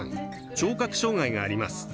聴覚障がいがあります。